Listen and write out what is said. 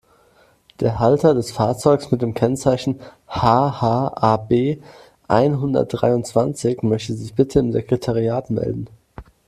Der Halter des Fahrzeugs mit dem Kennzeichen HH-AB-einhundertdreiundzwanzig möchte sich bitte im Sekretariat melden.